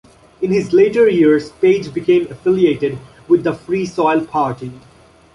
In his later years Page became affiliated with the Free Soil Party.